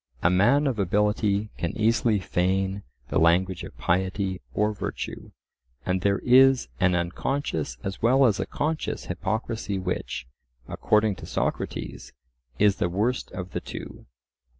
A man of ability can easily feign the language of piety or virtue; and there is an unconscious as well as a conscious hypocrisy which, according to Socrates, is the worst of the two.